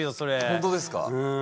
本当ですか？